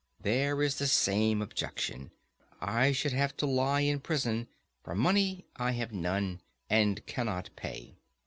There is the same objection. I should have to lie in prison, for money I have none, and cannot pay.